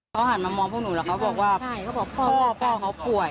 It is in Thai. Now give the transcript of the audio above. เขาหันมามองพวกหนูแล้วเขาบอกว่าพ่อพ่อเขาป่วย